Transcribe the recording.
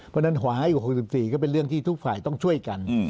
เพราะฉะนั้นขอให้อยู่๖๔ก็เป็นเรื่องที่ทุกฝ่ายต้องช่วยกัน